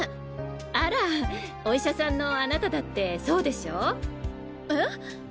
あらお医者さんのあなただってそうでしょ？えっ？